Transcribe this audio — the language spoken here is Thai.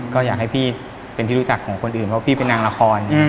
ก็อยากให้พี่เป็นที่รู้จักของคนอื่นเพราะพี่เป็นนางละคร